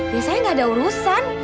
ya saya enggak ada urusan